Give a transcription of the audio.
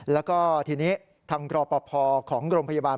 แล้วก็ทีนี้ทางรอปภของโรงพยาบาล